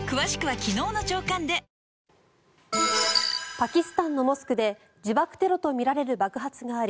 パキスタンのモスクで自爆テロとみられる爆発があり